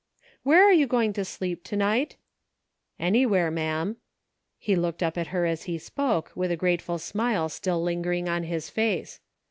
" Where are you going to sleep to night ?"*' Anywhere, ma'am ;" he looked up at her as he spoke, with a grateful smile still lingering on his face.